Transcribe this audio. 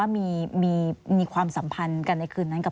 มีความสัมพันธ์กัน